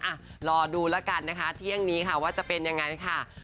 อ่ะรอดูแล้วกันนะคะเที่ยงนี้ค่ะว่าจะเป็นยังไงค่ะ